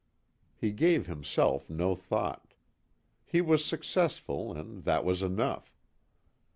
He gave himself no thought. He was successful and that was enough.